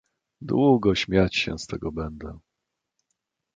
"Długo śmiać się z tego będę."